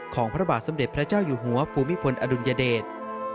พระบาทสมเด็จพระเจ้าอยู่หัวภูมิพลอดุลยเดช